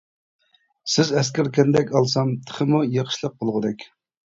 سىز ئەسكەرتكەندەك ئالسام تېخىمۇ يېقىشلىق بولغۇدەك.